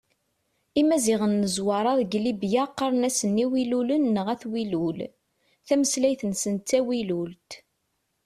Imaziɣen n Zwaṛa deg Libya qqaren-asen Iwilulen neɣ At Wilul, tameslayt-nsen d tawilult.